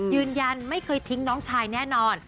ยืนยันไม่เคยทิ้งน้องชายแน่นอน